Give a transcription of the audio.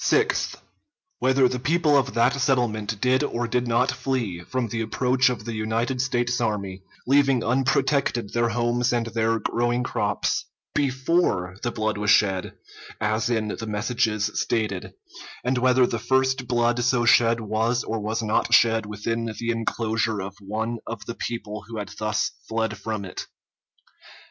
Sixth. Whether the people of that settlement did or did not flee from the approach of the United States army, leaving unprotected their homes and their growing crops, before the blood was shed, as in the messages stated; and whether the first blood so shed was or was not shed within the inclosure of one of the people who had thus fled from it.